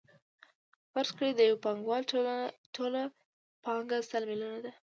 فرض کړئ د یو پانګوال ټوله پانګه سل میلیونه ده